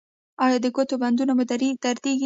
ایا د ګوتو بندونه مو دردیږي؟